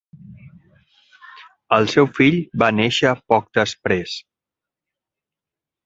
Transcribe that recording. El seu fill va néixer poc després.